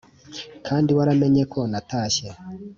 kandi waramenye ko natashye